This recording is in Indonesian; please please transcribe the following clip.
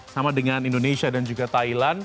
sama dengan indonesia dan juga thailand